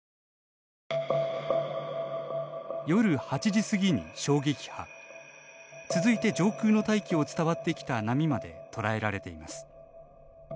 夜８時過ぎに衝撃波続いて上空の大気を伝わってきた波まで捉えられています。